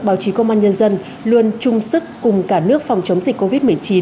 báo chí công an nhân dân luôn chung sức cùng cả nước phòng chống dịch covid một mươi chín